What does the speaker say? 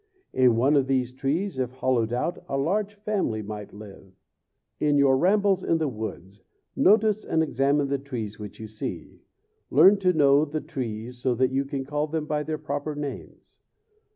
In one of these trees, if hollowed out, a large family might live. [Illustration: GREAT TREES OF CALIFORNIA.] In your rambles in the woods, notice and examine the trees which you see. Learn to know the trees so that you can call them by their proper names.